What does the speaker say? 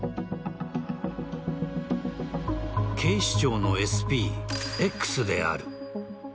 警視庁のＳＰ・Ｘである。